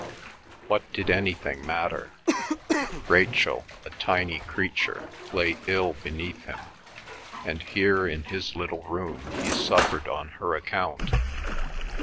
What did anything matter? Rachel, a tiny creature, lay ill beneath him, and here in his little room he suffered on her account.